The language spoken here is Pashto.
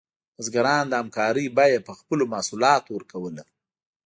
بزګران د همکارۍ بیه په خپلو محصولاتو ورکوله.